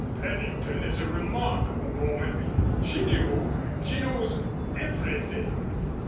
"Nellie Pennington is a remarkable woman. She knew. She knows everything."